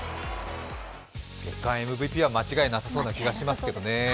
月間ＭＶＰは間違いなさそうな気がしますけどね。